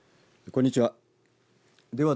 こんにちは。